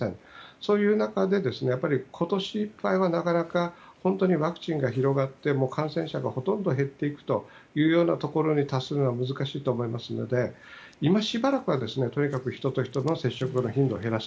そういう中で今年いっぱいはワクチンが広がって感染者がほとんど減っていくというようなところに達するのは難しいと思いますので今しばらくは人と人の接触の頻度を減らす。